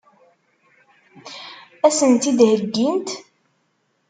Ad sen-tt-id-heggint?